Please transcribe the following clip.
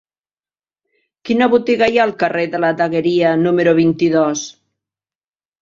Quina botiga hi ha al carrer de la Dagueria número vint-i-dos?